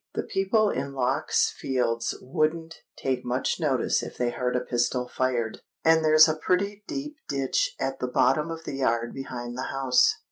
The people in Lock's Fields wouldn't take much notice if they heard a pistol fired; and there's a pretty deep ditch at the bottom of the yard behind the house."